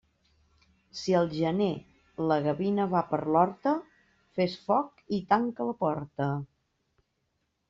Si al gener la gavina va per l'horta, fes foc i tanca la porta.